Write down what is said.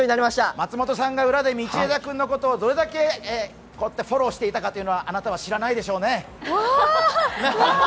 松本さんが裏で道枝君のことをどれだけフォローしていたかということをあなたは知らないでしょうね。